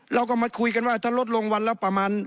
เราก็มาคุยกันว่าถ้าลดลงวันละประมาณ